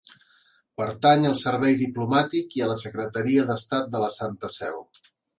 Pertany al Servei Diplomàtic i a la Secretaria d'Estat de la Santa Seu.